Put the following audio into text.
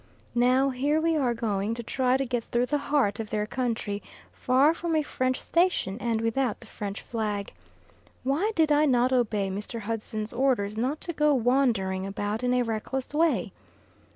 Now here we are going to try to get through the heart of their country, far from a French station, and without the French flag. Why did I not obey Mr. Hudson's orders not to go wandering about in a reckless way!